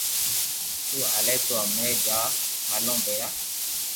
تو ھالي تو ھمبري جا ھالو ڀيرا